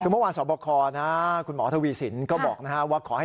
ถึงเมื่อวานสบคนะคุณหมอทวีสินก็บอกนะฮะคือขอให้